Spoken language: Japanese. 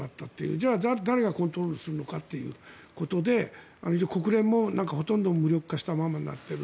じゃあ誰がコントロールするのかということで国連もほとんど無力化したままになっている。